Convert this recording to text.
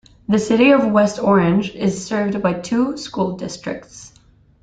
The City of West Orange is served by two school districts.